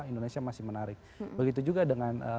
indonesia masih menarik begitu juga dengan